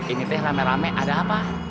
ini teh rame rame ada apa